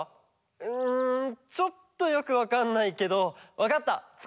うんちょっとよくわかんないけどわかったつくるよ！